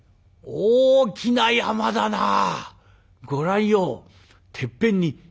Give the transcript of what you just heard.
大きい山だなあ」。